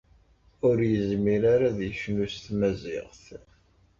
Ur yezmir ara ad yecnu s tmaziɣt.